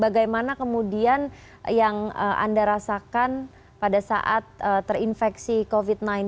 bagaimana kemudian yang anda rasakan pada saat terinfeksi covid sembilan belas